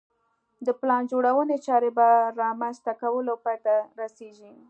د پلان جوړونې چارې په رامنځته کولو پای ته رسېږي.